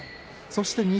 そして錦